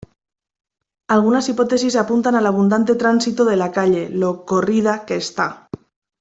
Algunas hipótesis apuntan al abundante tránsito de la calle, lo "corrida" que está.